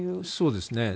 そうですね。